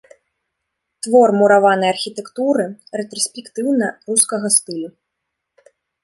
Твор мураванай архітэктуры рэтраспектыўна-рускага стылю.